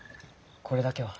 これだけは。